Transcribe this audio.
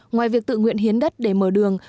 ngoài việc tự nguyện hiến đất để mở đường